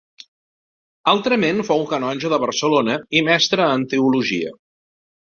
Altrament fou canonge de Barcelona i mestre en teologia.